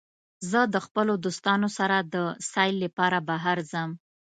زه د خپلو دوستانو سره د سیل لپاره بهر ځم.